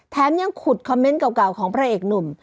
ยังขุดคอมเมนต์เก่าของพระเอกหนุ่ม